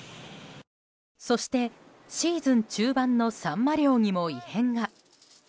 そして、シーズン中盤のサンマ漁にも異変が。